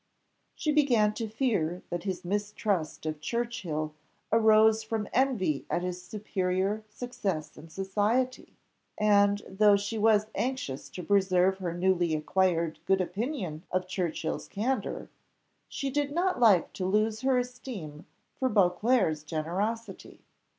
She began to fear that his mistrust of Churchill arose from envy at his superior success in society; and, though she was anxious to preserve her newly acquired good opinion of Churchill's candour, she did not like to lose her esteem for Beauclerc's generosity.